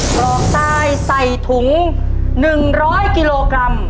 กรอกทรายใส่ถุง๑๐๐กิโลกรัม